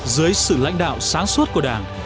dưới sự lãnh đạo sáng suốt của đảng